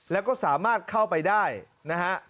แล้วก็สามารถเข้าไปได้นะฮะ